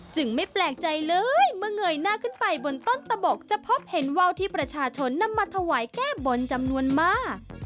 ไม่แปลกใจเลยเมื่อเงยหน้าขึ้นไปบนต้นตะบกจะพบเห็นว่าวที่ประชาชนนำมาถวายแก้บนจำนวนมาก